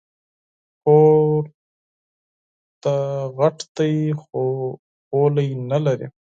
کور دي غټ دی خو غولی نه لري